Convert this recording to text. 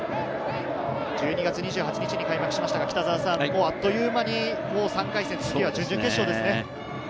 １２月２８日に開幕しましたが、あっという間に３回戦、次は準々決勝ですね。